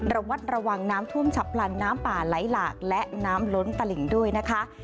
ระวัดระวังน้ำท่วมฉับพลันน้ำป่าไหลหลากและน้ำล้นตลิ่งด้วยนะคะ